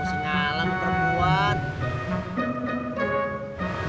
enggak usah ngalah gue baru buat